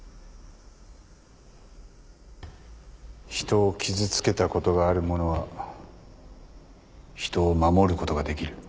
人を傷つけたことがある者は人を守ることができる。